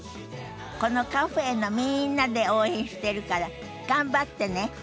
このカフェのみんなで応援してるから頑張ってね。